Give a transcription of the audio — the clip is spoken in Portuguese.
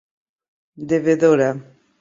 devedora